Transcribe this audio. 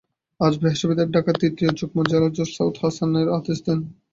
আজ বৃহস্পতিবার ঢাকার তৃতীয় যুগ্ম জেলা জজ সাউদ হাসান এ আদেশ দেন।